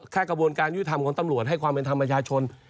ถ้ากระบวนการยุทธรรมของตำรวจให้ความเป็นธรรมประชาชน